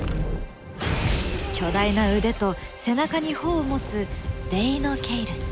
巨大な腕と背中に帆を持つデイノケイルス。